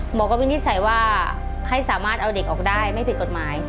หมอก็วินิจฉัยว่าให้สามารถเอาเด็กออกได้ไม่ผิดกฎหมาย